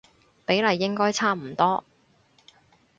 比例應該差唔多